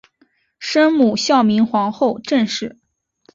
生母孝明皇后郑氏。